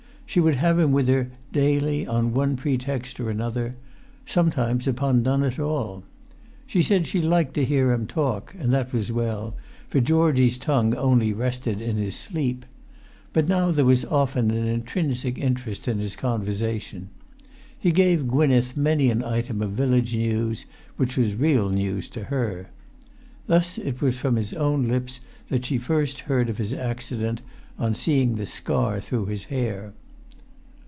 She would have him with her daily on one pretext or another, sometimes upon none at all. She said she liked to hear him talk, and that was well, for Georgie's tongue only rested in his sleep. But now there was often an intrinsic interest in his conversation. He gave Gwynneth many an item of village news which was real news to her. Thus it was from his own lips that she first heard of his accident, on seeing the scar through his hair.